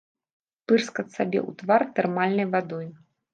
Пырскаць сабе ў твар тэрмальнай вадой.